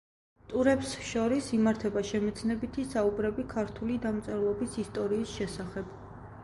ტურებს შორის იმართება შემეცნებითი საუბრები ქართული დამწერლობის ისტორიის შესახებ.